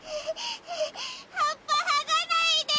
葉っぱがないで！